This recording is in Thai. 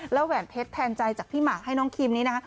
แหวนเพชรแทนใจจากพี่หมากให้น้องคิมนี้นะคะ